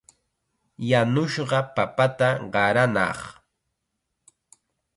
Yanushqa papata qaranaaq.